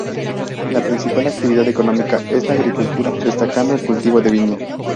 La principal actividad económica es la agricultura, destacando el cultivo de viña.